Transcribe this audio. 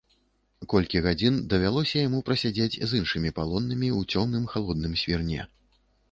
Колькі гадзін давялося яму прасядзець з іншымі палоннымі ў цёмным халодным свірне.